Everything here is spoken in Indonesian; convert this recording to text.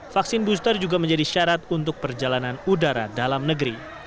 vaksin booster juga menjadi syarat untuk perjalanan udara dalam negeri